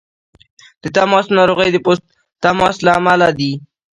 د تماس ناروغۍ د پوست تماس له امله دي.